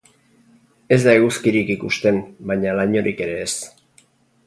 Ez da eguzkirik ikusten, baina lainorik ere ez.